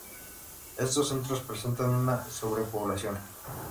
Estos centros presentan una sobrepoblación.